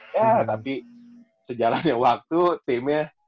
ya tapi sejalan waktu timnya